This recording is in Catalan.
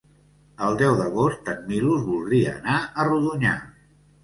El deu d'agost en Milos voldria anar a Rodonyà.